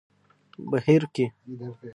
بهير کې